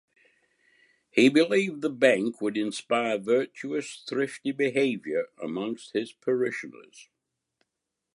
He believed the bank would inspire virtuous thrifty behavior amongst his parishioners.